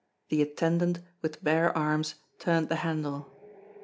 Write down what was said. the attendant, with bare arms, turned the handle.